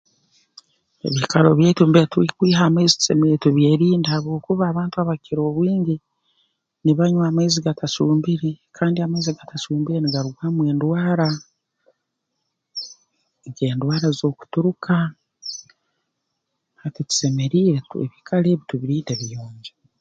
Ebiikaro byaitu mbere tukwiha amaizi tusemeriire tubyerinde habwokuba abantu abakukira obwingi nibanywa amaizi gatacumbire kandi amaizi agatacumbire nigarugamu endwara nk'endwara z'okuturuka hati tusemeriire ebiikaro ebi tubirinde biyonjo